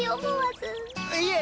いえ！